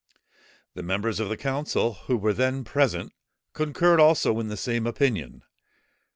The members of the council who were then present, concurred also in the same opinion.